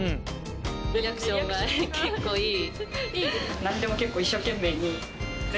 リアクションが結構いい。